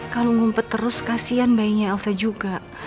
kalau ngumpet terus kasian bayinya elsa juga